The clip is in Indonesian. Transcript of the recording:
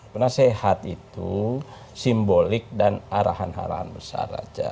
penasehat itu simbolik dan arahan arahan besar saja